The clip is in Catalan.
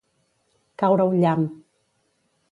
Caure un llamp.